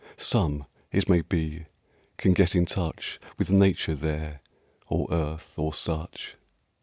Some, it may be, can get in touch With Nature there, or Earth, or such.